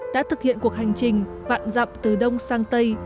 đã thực hiện cuộc hành trình vạn dặm từ đông sang tây